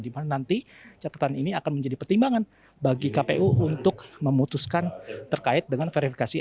dimana nanti catatan ini akan menjadi pertimbangan bagi kpu untuk memutuskan terkait dengan verifikasi